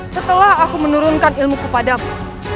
setelah aku menurunkan ilmuku padamu